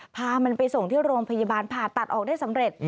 พามันไปส่งที่โรงพยาบาลผ่าตัดออกได้สำเร็จ